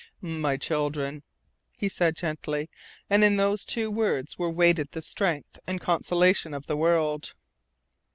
"My children," he said gently, and in those two words were weighted the strength and consolation of the world.